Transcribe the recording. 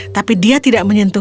tapi dia tidak menyentuhnya